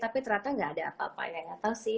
tapi ternyata gak ada apa apanya gak tahu sih